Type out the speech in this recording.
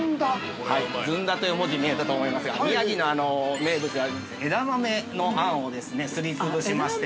ずんだという文字が見えたと思いますが、宮城の名物である枝豆のあんをすり潰しまして。